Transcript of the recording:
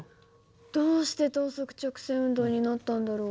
どうして等速直線運動になったんだろう？